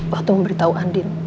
waktu memberitahu andin